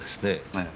ええ。